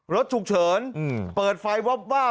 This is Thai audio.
รถฉุกเฉินเปิดไฟวับวาบ